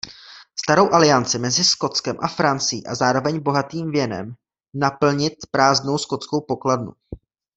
Starou alianci mezi Skotskem a Francií a zároveň bohatým věnem naplnit prázdnou skotskou pokladnu.